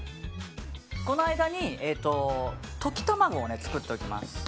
この間に溶き卵を作っておきます。